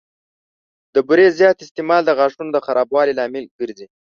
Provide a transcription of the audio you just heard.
د بوري زیات استعمال د غاښونو د خرابوالي لامل کېږي.